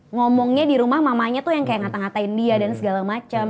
ngomongnya di rumah mamanya tuh yang kayak ngata ngatain dia dan segala macam